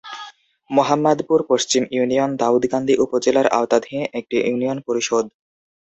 মোহাম্মদপুর পশ্চিম ইউনিয়ন দাউদকান্দি উপজেলার আওতাধীন একটি ইউনিয়ন পরিষদ।